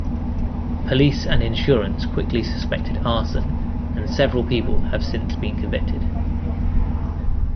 Police and insurance quickly suspected arson and several people have since been convicted.